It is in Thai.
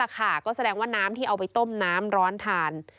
ก็แสดงว่าน้ำที่เอาไปต้มน้ำร้อนทาน